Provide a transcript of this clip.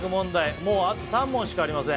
もうあと３問しかありません